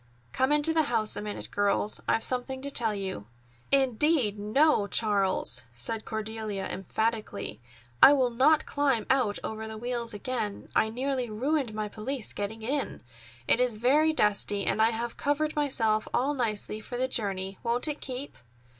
"Come into the house, a minute, girls. I've something to tell you." "Indeed, no, Charles!" said Cordelia emphatically. "I will not climb out over the wheels again. I nearly ruined my pelisse getting in. It is very dusty. And I have covered myself all nicely for the journey. Won't it keep?"